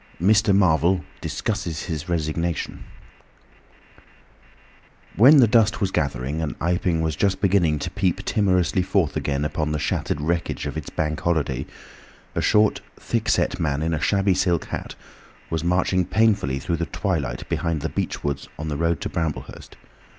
MR. MARVEL DISCUSSES HIS RESIGNATION When the dusk was gathering and Iping was just beginning to peep timorously forth again upon the shattered wreckage of its Bank Holiday, a short, thick set man in a shabby silk hat was marching painfully through the twilight behind the beechwoods on the road to Bramblehurst.